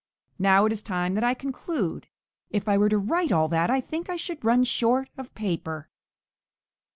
Now it is time that I conclude; if I were to write all that I think I should run short of paper.